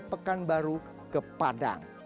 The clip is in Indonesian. pekanbaru ke padang